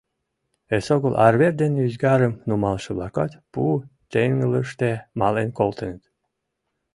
Эсогыл арвер ден ӱзгарым нумалше-влакат пу теҥгылыште мален колтеныт.